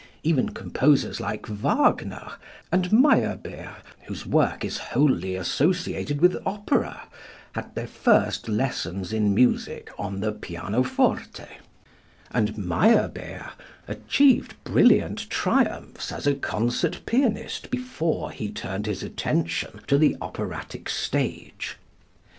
Even composers like Wagner and Meyerbeer, whose work is wholly associated with opera, had their first lessons in music on the pianoforte, and Meyerbeer achieved brilliant triumphs as a concert pianist before he turned his attention to the operatic stage.